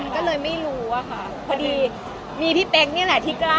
ก็เลยไม่รู้อะค่ะพอดีมีพี่เป๊กนี่แหละที่กล้า